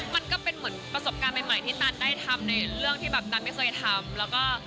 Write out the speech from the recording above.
มันก็เป็นเหมือนประสบการณ์ใหม่ที่ตาลได้ทำในเรื่องที่ตาลไม่เคยทำ